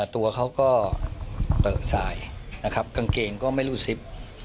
ตัวเขาก็เปิดสายนะครับกางเกงก็ไม่รู้ซิบ